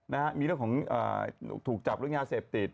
นะฮะมีเรื่องของถูกจับเรื่องยาเสพติด